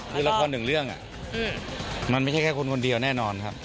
คือละครหนึ่งเรื่องมันไม่ใช่แค่คนคนเดียวแน่นอนครับ